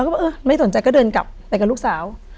ก็บอกเออไม่สนใจก็เดินกลับไปกับลูกสาว